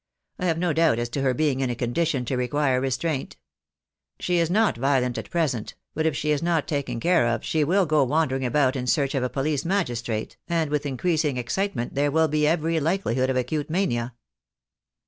I have no doubt as to her being in a condition to require restraint. She is not violent at present, but if she is not taken care of she will go wandering about in search of a police magistrate, and with increasing excitement there will be every likeli hood of acute mania.